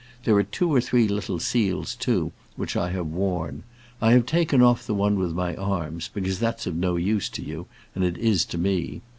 There are two or three little seals, too, which I have worn. I have taken off the one with my arms, because that's of no use to you, and it is to me.